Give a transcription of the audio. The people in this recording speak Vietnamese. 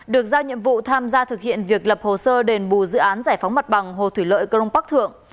được giao nhiệm vụ tham gia thực hiện việc lập hồ sơ đền bù dự án giải phóng mặt bằng hồ thủy lợi crong bắc thượng